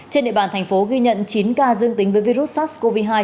trên địa bàn thành phố ghi nhận chín ca dương tính với virus sars cov hai